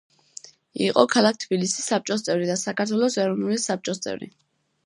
იყო ქალაქ თბილისი საბჭოს წევრი და საქართველოს ეროვნული საბჭოს წევრი.